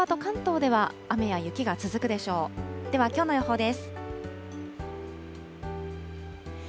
ではきょうの予報です。